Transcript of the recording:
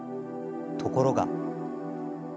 ところが。